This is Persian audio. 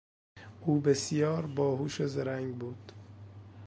او بسیار باهوش و زرنگ بود.